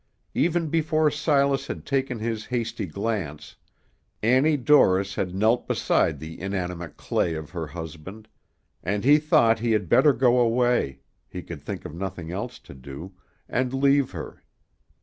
Even before Silas had taken his hasty glance, Annie Dorris had knelt beside the inanimate clay of her husband, and he thought he had better go away he could think of nothing else to do and leave her.